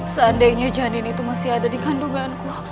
seandainya janin itu masih ada di kandunganku